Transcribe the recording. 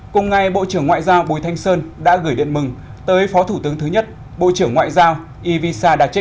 cùng ngày bộ trưởng ngoại giao bùi thanh sơn đã gửi điện mừng tới phó thủ tướng thứ nhất bộ trưởng ngoại giao ivisa dachez